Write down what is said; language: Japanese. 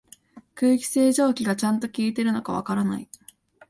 空気清浄機がちゃんと効いてるのかわからない